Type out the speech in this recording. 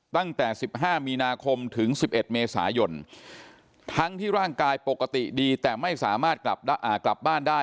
ตั้งแต่๑๕มีนาคมถึง๑๑เมษายนทั้งที่ร่างกายปกติดีแต่ไม่สามารถกลับบ้านได้